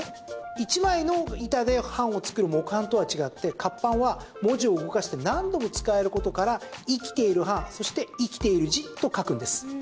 １枚の板で版を作る木版とは違って活版は文字を動かして何度も使えることから「活きている版」そして、「活きている字」と書くんです。